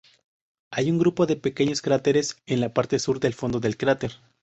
Hay un grupo de pequeños cráteres en la parte sur del fondo del cráter.